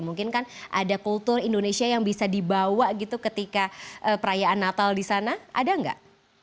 mungkin kan ada kultur indonesia yang bisa dibawa gitu ketika perayaan natal di sana ada nggak